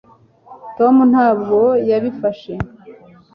tom ntabwo yabifashe